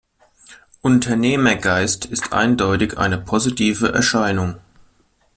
Unternehmergeist ist eindeutig eine positive Erscheinung.